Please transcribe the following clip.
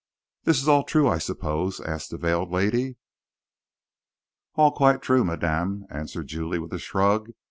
"This is all true, I suppose?" asked the veiled lady. "All quite true, madame," answered Julie, with a shrug.